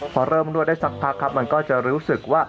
พอเริ่มนวดได้สักพักครับมันก็จะรู้สึกว่า